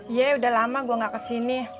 iya udah lama gue gak kesini